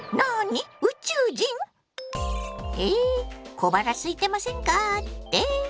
小腹すいてませんかって？